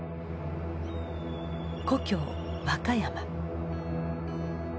故郷和歌山。